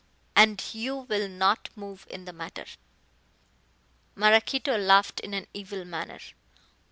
"And you will not move in the matter." Maraquito laughed in an evil manner.